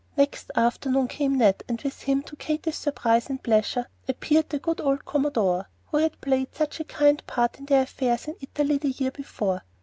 Next afternoon came Ned, and with him, to Katy's surprise and pleasure, appeared the good old commodore who had played such a kind part in their affairs in Italy the year before.